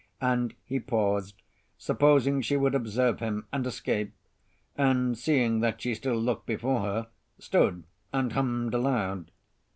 And he paused, supposing she would observe him and escape; and seeing that she still looked before her, stood and hummed aloud.